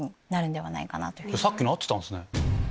さっきの合ってたんすね。